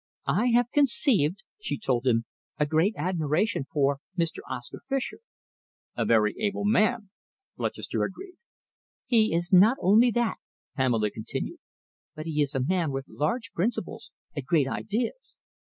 "I have conceived," she told him, "a great admiration for Mr. Oscar Fischer." "A very able man," Lutchester agreed. "He is not only that," Pamela continued, "but he is a man with large principles and great ideas."